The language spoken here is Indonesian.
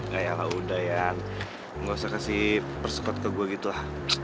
gak ya gak udah ya gak usah kasih persekut ke gue gitu lah